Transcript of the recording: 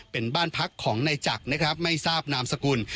เป็นบ้านพักของนายจักรนะครับไม่ทราบนามสกุล